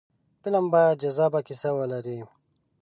فلم باید جذابه کیسه ولري